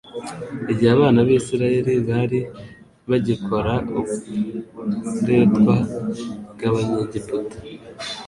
Igihe abana b'Isirayeli bari bagikora uburetwa bw'Abanyegiputa,